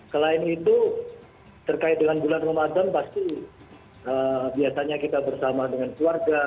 selain itu terkait dengan bulan ramadan pasti biasanya kita bersama dengan keluarga